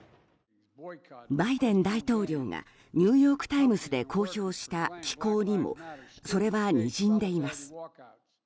バイデン大統領がニューヨーク・タイムズで公表した寄稿にもそれはにじんでいます。